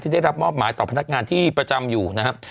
ได้รับมอบหมายต่อพนักงานที่ประจำอยู่นะครับ